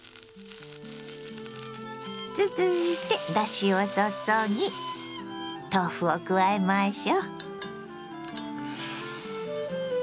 続いてだしを注ぎ豆腐を加えましょ。